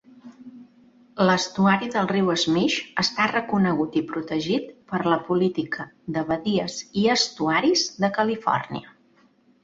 L'estuari del riu Smith està reconegut i protegit per la Política de Badies i Estuaris de Califòrnia.